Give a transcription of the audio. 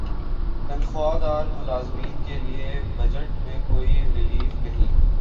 تنخواہ دار ملازمین کے لیے بجٹ میں کوئی ریلیف نہیں